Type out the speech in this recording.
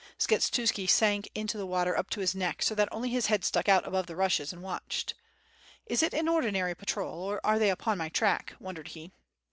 Skshetuski sank into the water up to his neck, so that only his head stuck out above the rushes, and watched. "Is it an ordinary patrol, or are they upon my track?" wondered he.